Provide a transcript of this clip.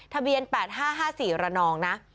ทะเบียน๘๕๕๔ระนองนะ